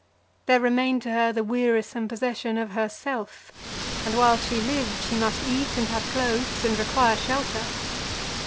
There remained to her the wearisome possession of herself, and while she lived she must eat, and have clothes, and require shelter.